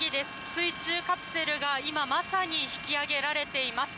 水中カプセルが今、まさに引き揚げられています。